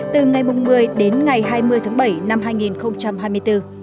từ ngày một mươi đến ngày hai mươi tháng bảy năm hai nghìn hai mươi bốn